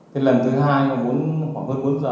thì lần thứ hai khoảng hơn bốn giờ